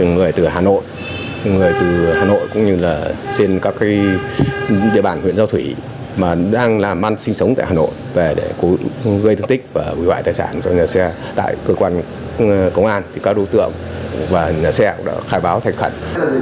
người từ hà nội cũng như là trên các cái địa bàn huyện giao thủy mà đang làm ăn sinh sống tại hà nội để cố gây thương tích và hủy hoại tài sản cho nhà xe tại cơ quan công an thì các đối tượng và nhà xe đã khai báo thành khẩn